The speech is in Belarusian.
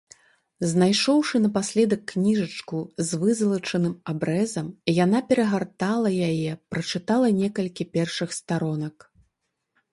Знайшоўшы напаследак кніжачку з вызалачаным абрэзам, яна перагартала яе, прачытала некалькі першых старонак.